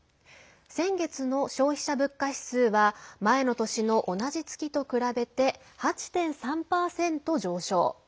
先月の消費者物価指数は前の年の同じ月と比べて８．３％上昇。